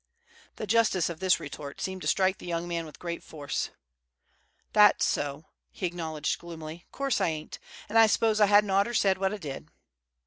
The justice of this retort seemed to strike the young man with great force. "That's so," he acknowledged, gloomily. "'Course I ain't. An' I s'pose I hadn't oughter said what I did."